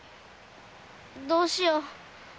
どうしよう？